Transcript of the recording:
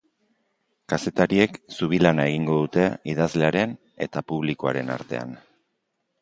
Kazetariek zubi lana egingo dute idazlearen eta publikoaren artean.